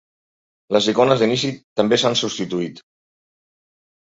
Les icones d'inici també s'han substituït.